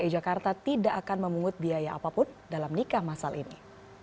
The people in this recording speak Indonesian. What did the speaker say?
dki jakarta tidak akan memungut biaya apapun dalam nikah masal ini